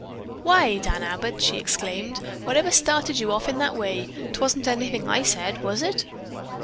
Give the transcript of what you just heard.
"Why, Dan Abbott," she exclaimed, "whatever started you off in that way? 'Twasn't anything I said, was it?"